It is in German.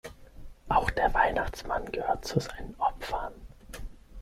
Auch der Weihnachtsmann gehört zu seinen Opfern.